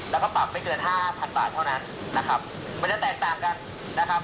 แล้วก็ปรับไม่เกิน๕๐๐๐บาทเท่านั้นมันจะแตกตามกันนะครับ